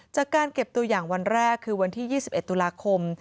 จากการเก็บตัวอย่างวันแรกคือวันที่๒๑ตุลาคม